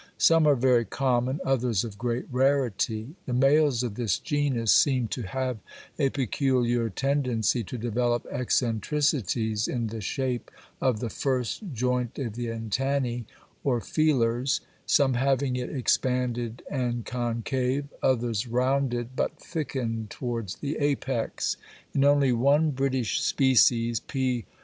Some are very common, others of great rarity. The males of this genus seem to have a peculiar tendency to develop eccentricities in the shape of the first joint of the antennæ, or feelers, some having it expanded and concave, others rounded but thickened towards the apex; in only one British species, _P.